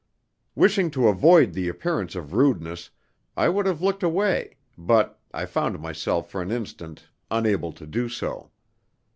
Wishing to avoid the appearance of rudeness, I would have looked away, but I found myself for an instant unable to do so.